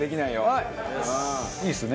いいですね。